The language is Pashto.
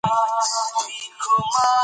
د هېواد په منظره کې کلي ښکاره دي.